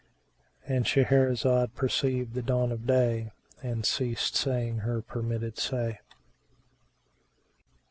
—And Shahrazad perceived the dawn of day and ceased saying her permitted say.